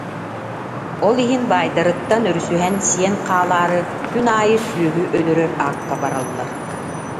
Ол иһин баайдарыттан өрүсүһэн сиэн хаалаары күн аайы сүөһү өлөрөр аакка бараллар